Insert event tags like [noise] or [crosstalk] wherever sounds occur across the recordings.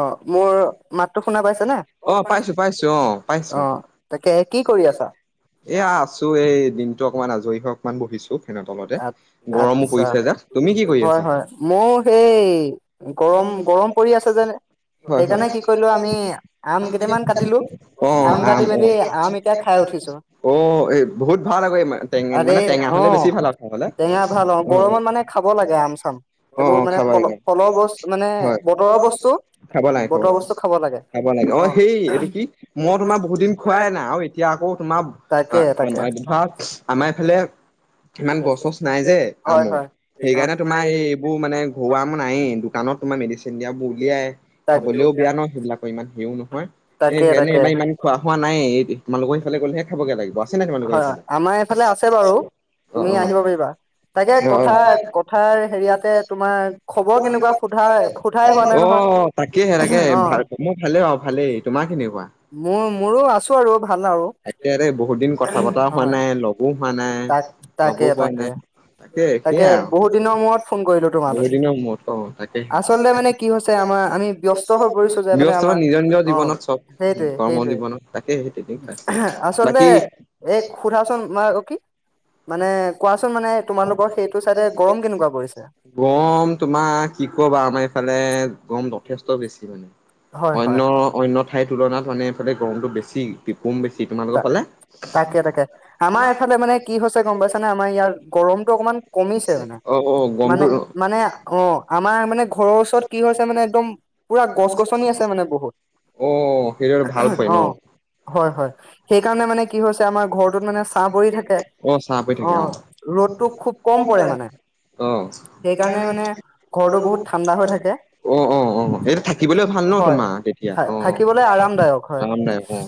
অ মোৰ মাতটো শুনা পাইছেনে অ পাইছো পাইছো পাইছো অ তাকে কি কৰি আছা। অকণমান আজৰি অকণমান বহিছো। ফেনৰ তলতে আ গৰমো আচ্ছা পৰিছে যে তুমি কি কৰি হয় আছা হয় মোৰ সেই গৰম গৰম পৰি আছে যেন হয় হয় সেইকাৰণে কি কৰিলো আমি আম কেইটামান কাটিলো অম আম কাটি মেলি আম এতিয়া খাই উঠিছো অঁ বহুত ভাল আঁ এই আৰে মানে টেঙা অ হলে বেছি ভাল। খাবলে টেঙা ভাল অঁ অ গৰমত মানে খাব লাগে আম চাম অ একো অ মানে খাব ফল লাগে ফলৰ বস্ত হয় খাব লাগে খাব বতৰৰ লাগে বস্তু খাব লাগে খাব লাগে অ অঁ সেই এইটো কি মই তোমাৰ বহুত দিন খুৱাই নাই আৰু এতিয়া আকৌ তোমাৰ তাকে তাকে ধৰা আমাৰফালে ইমান গছ চছ নাই যে হয় আমো হয় সেইকাৰণে তোমাৰ এই এইবোৰ মানে ঘৰুৱা আম নায়েই তমাৰ মিছে চিয়োৰ উলিয়াই খাবলৈও তাক বেয়া ন সেইবিলাকৰ ইমান হেৰিও নহয় এই তাকে সেইকাৰণে তাকে। এইবাৰ ইমান খোৱা খোৱা নাই এই তোমালোকৰ সেইফালে গলেহে খাবগে লাগিব আছে নে তোমালোকৰ হয় সেইফালে আমাৰ এইফালে আছে বাৰু তুমি অঁ আহিব পাৰিবা তাকে অঁ কথা কথাৰ অঁ অঁ। হয় অ তাকেহে তাকে মোৰ ভালেই অ ভালেই, তোমাৰ কেনেকুৱা? মোৰ মোৰো আছো আৰু ভাল আৰু তাকে দে বহুত দিন কথা বতৰা হোৱা হয়। নাই লগো হোৱা নাই তাক লগো তাকে পোৱা তাকে নাই তাকে সেইয়াই আৰু বহুত দিনৰ মূৰত ফোন কৰিলো বহুত তোমালৈ দিনৰ মূৰত অ ব্যস্ত আচলতে মানে কি হৈছে আমাৰ নিজৰ আমি ব্যস্ত হৈ পৰিছো যে মানে আমাৰ নিজৰ অ জীৱনত চব সেইটোৱে কৰ্ম সেইটোৱে জীৱনত তাকে সেই তেনেকুৱাই আচলতে বাকী- এই সোধাচোন মা অ কি মানে কোৱাচোন মানে তোমালোকৰ সেইটো চাইডে গৰম কেনেকুৱা পৰিছে? গৰম তোমাৰ কি কবা আমাৰ এইফালে- গৰম যথেষ্ট বেছি মানে হয় হয়। অন্য অন্য ঠাইত তুলনাত মানে ইফালে গৰমটো বেছি, পিপুম বেছি তোমালোকৰ ফালে তাকে তাকে আমাৰ এইফালে মানে কি হৈছে গম পাইছানে আমাৰ ইয়াৰ গৰমতটো অকমান কমিছে মানে অ অ মানে গমটো মানে অঁ আমাৰ মানে ঘৰৰ ওচৰত কি হৈছে মানে একদম পুৰা গছ গছনি আছে মানে বহুত অ সেইদৰে ভাল পায় অ, ন হয় হয় সেইকাৰণে মানে কি হৈছে আমাৰ ঘৰটোত মানে ছাহ পৰি থাকে। অ চাহ পৰি থাকে অ ৰ'দটো খুব কম আহ পৰে মানে সেইকাৰণে মানে ঘৰটো বহুত ঠাণ্ডা হৈ থাকে অ অ অ এ থাকিবলৈ ভাল ন হয় তোমাৰ তেতিয়া অঁ থাকিবলৈ আৰামদায়ক হয় আৰামদায়ক অ।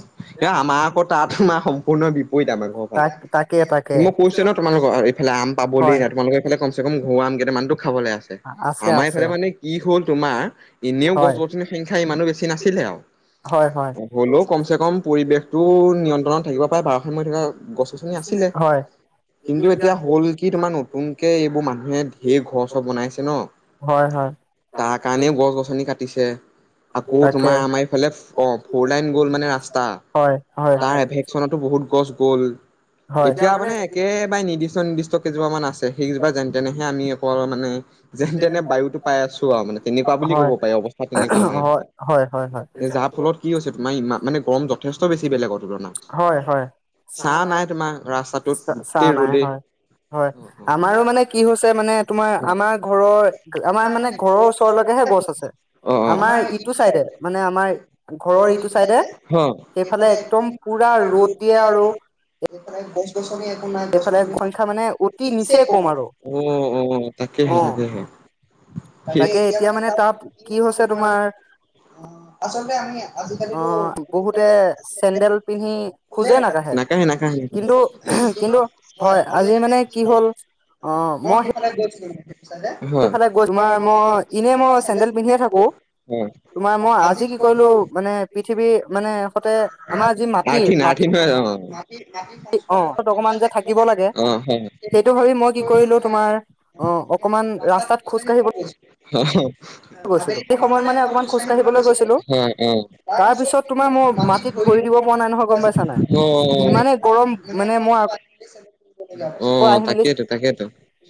আমাৰ আকৌ তাত আমাৰ সম্প সম্পূৰ্ণ বিপ বিপৰীত আমাৰ ঘৰ ফালে। তাক তাকে তাকে সেই মই কৈছ ন তোমালোকৰ এইফালে আম পাবলৈ হয় তোমালোকৰ এইফালে কমচ কম ঘৰুৱা আম কেইটামানতো খাবলৈ আছে, আছে আমাৰ আছে এইফালে মানে কি হল তোমাৰ এনেও গছ হয় গছনিৰ সংখ্যা ইমানো বেছি বেছি নাছিলে আৰু হয় হয় হ'লেও কম চে কম পৰিবেশতটো নিয়ন্ত্ৰণত থাকিব পাৰে বাৰশ মান থকা গছ গছনি আছিলে। হয় কিন্তু এতিয়া হ'ল কি তোমাৰ নতুনকে এইবোৰ মানুহে ঢেৰ ঘৰ চৰ বনাইছে ন হয় হয় তাৰ কাৰণে গছ গছনি কাট কাটিছে, আকৌ তাকে তোমাৰ আমাৰ এইফালে ফ'ৰলাইন গ'ল মানে টা হয় হয় হয় তাৰ এভেকচনতো বহুত গছ গ'ল হয় হয় এতিয়া মানে একেবাৰে নিৰ্দিষ্ট নিৰ্দিষ্ট কেইজোপা মান আছে। সেইগিজোপা যেন তেনেহে আমি অকল মানে যেন তেনে বায়ুতটো পাই আছো আৰু মানে তেনেকুৱা বুলি ক'ব হয় পাৰি অৱস্থা তেনেকুৱা আমাৰ, হয় হয় যাৰ ফলত কি হৈছে তোমাৰ ইমান মানে গৰম যথেষ্ট বেছি কি বেলেগত। তুলনা হয় চাহ নাই তোমাৰ। ৰাস্তাটোত চা গোটেই নাই ৰ'দেই হয় হয় আমাৰো মানে কি হৈছে মানে তোমাৰ আমাৰ ঘৰৰ আমাৰ মানে ঘৰৰ ওচৰলৈকেহে গছ আছে, অ অ আমাৰ ইটো চাইডে মানে আমাৰ ঘৰৰ ইটো চাইডে হ সেইফালে একদম পুৰা ৰ'দ দিয়ে আৰু গছ-গছনি এইফালে সংখ্যা মানে অতি নিচে কম আৰু অঁ, অ' তাকেহে অ তাকেহে তাকে এতিয়া মানে তাত কি হৈছে [unintelligible] তোমাৰ আচলতে আমি আজিকালি অ টো বহুতে চেণ্ডেল চেন্দেল পিন্ধি খোজেই নকাহে, নাকাহে - নাকাহে। কিন্তু-কিন্তু হয়, আজি মানে কি হ'ল অ অঁ মই সেই [unintelligible] সেইফালে গৈ তোমাৰ মই ইনেই মই চেন্দেল পিন্ধিয়ে থাকো, তোমাৰ মই আজি কি কৰিলো মানে পৃথিৱীৰ মানে সতে আমাৰ যি মাটি মাটি [unintelligible] অ অকমান [unintelligible] যে থাকিব লাগে আবেলি সময়ত সেইটো ভাবি মানে মই কি কৰিলো অকমান তোমাৰ খোজ অ অকমান কাঢ়িবলৈ ৰাস্তাত গৈছিলো খোজ কাঢ়িব অঁ, অঁ তাৰ গৈছিলো সেই সময়ত পিছত মানে অকমান খোজ কি কাঢ়িবলৈ গৈছিলো মানে মাটিত তাৰ ভৰি পিছত তোমাৰ মোৰ দিব মাটিত ভৰি দিব পৰা নহয় গম নাই পাইছা নাই [unintelligible] ইমানেই অঁ। গৰম মানে মই [unintelligible] অঁ আহি মেলি তাকেইতো তাকেইতো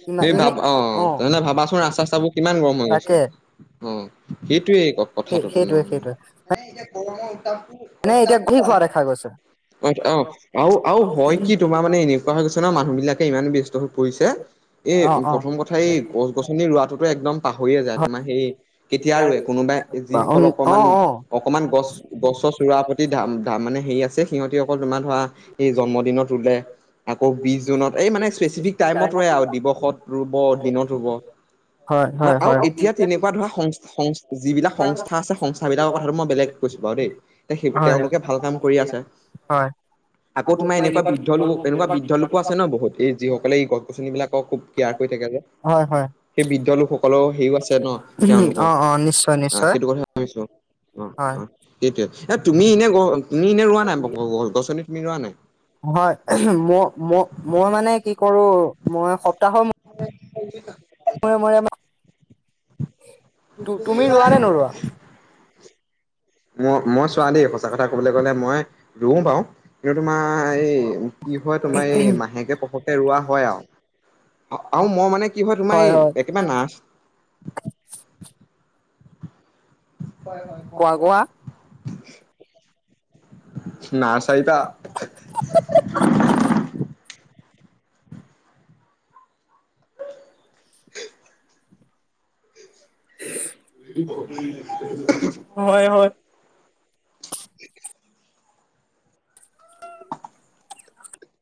ইমান তুমি ইমান ভাবা অ অঁ ভাবাচোন ৰাস্তা চাস্তাবোৰ কিমান গৰম হৈ গৈছে তাকে অঁ সেইটোয়েই ক সেই কথাটোত সেইটোৱে মই [unintelligible] নে এতিয়া কি খোৱা দেখা গৈছে। অ অ আৰু আৰু হয় কি তোমাৰ মানে এনেকুৱা হৈ গৈছে ন মানুহ বিলাকে ইমান ব্যস্ত হৈ পৰিছে এ অ অ প্ৰথম কথা এই গছ গছনি ৰোৱাটোতো একদম পাহৰিয়ে যায় হয় তোমাৰ সেই কেতিয়া ৰোৱে কোনোবাই যিসকল অ অকমান অ অকমান গছ ছছ ৰোৱাৰ প্ৰতি মানে হেৰি আছে [unintelligible] [unintelligible] তোমাৰ ধৰা এই জন্মদিনত ৰুলে, আকৌ বিশ জুনত এই মানে স্পেচিফিক টাইমত ৰোৱে আৰু দিৱসত ৰুব দিনত ৰুব হয় হয় আৰু হয় এতিয়া তেনেকুৱা ধৰা সং [unintelligible] যিবিলাক সংস্থা আছে সংস্থাবলাকৰ কথাটো মই বেলেগ কৈছো বাৰু দেই এেই হয় তেওঁলোকে ভাল কাম কৰি আছে। হয় আকৌ তোমাৰ এনেকুৱা বৃদ্ধ লোক এনেকুৱা বৃদ্ধ লোকো আছে ন বহুত এই যিসকলে গছ গছনি বিলাক খুব কেয়াৰ কৰি থাকে যে হয় হয় সেই বৃদ্ধ লোকসকলৰও হেৰিও আছে ন তেওঁলোকৰ অ অ নিশ্চয় আহ নিশ্চয় সেইটো কথা ভাবিছো অ হয় অ সেইটয়ে তুমি এনে গ তুমি এনে ৰোৱা নাই গছ গছনিত। মিলোৱা নাই। হয় মই ম মই মানে কি কৰো মই সপ্তাহৰ [inaudible] তুমি ৰোৱা নে নৰুৱা ম মই চোৱা দেই সঁচা কথা কবলৈ গলে মই ৰুওঁ পাৰও তোমাৰ এই কি হয় তোমাৰ এই মাহেকে পখকে ৰোৱা হয় আৰু আৰু মই মানে কি হয় তোমাৰ এই একেবাৰে নাৰছ হয় হয় কোৱা কোৱা [unintelligible] ন চাইটা [unintelligible] [unintelligible] হয় হয় উ [inaudible]